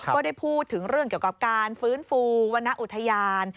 ก็ได้พูดถึงเรื่องเกี่ยวกับการฟื้นฟูวรรณอุทยาน